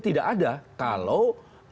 tidak ada kalau